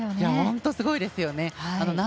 本当すごいですよね。